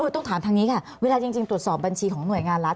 แต่เวลาจริงตรวจสอบบัญชีของหน่วยงานรัฐ